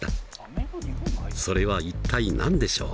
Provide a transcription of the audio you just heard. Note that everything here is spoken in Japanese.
それは一体何でしょう？